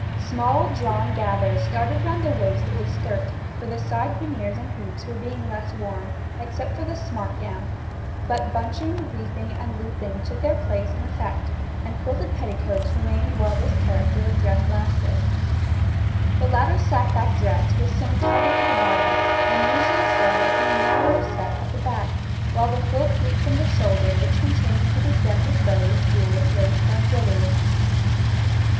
Small drawn gathers started round the waist of the skirt, for the side panniers and hoops were being less worn, except for the "smart gown," but bunching, reefing, and looping took their place in effect, and quilted petticoats remained while this character of dress lasted. The later sack back dress was sewn tighter to the body, and usually started in a narrower set at the back, while the full pleat from the shoulder down the front went out, and the neck was more displayed by lower bodice fronts, which continued to be set with bows, jewels, lace, or embroidery.